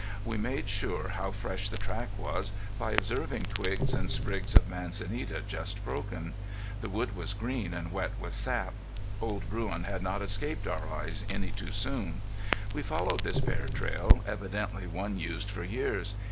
We made sure how fresh this track was by observing twigs and sprigs of manzanita just broken. The wood was green, and wet with sap. Old Bruin had not escaped our eyes any too soon. We followed this bear trail, evidently one used for years.